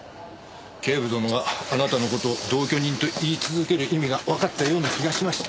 警部殿があなたの事を同居人と言い続ける意味がわかったような気がしました。